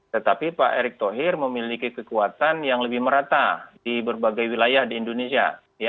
tetapi pak erick thohir memiliki kekuatan yang lebih merata di berbagai wilayah di indonesia